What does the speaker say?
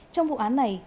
trong vụ án này